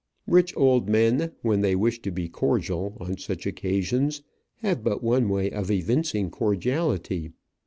Rich old men, when they wish to be cordial on such occasions, have but one way of evincing cordiality.